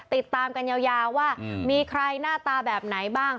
ติดตามกันยาวว่ามีใครหน้าตาแบบไหนบ้าง